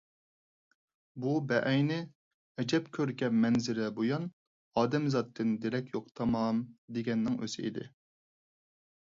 بۇ بەئەينى، ئەجەب كۆركەم مەنزىرە بۇيان، ئادەمزاتتىن دېرەك يوق تامام، دېگەننىڭ ئۆزى ئىدى.